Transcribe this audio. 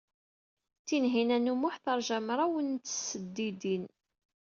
Tinhinan u Muḥ teṛja mraw n tesdidin.